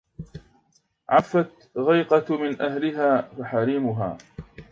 عفت غيقة من أهلها فحريمها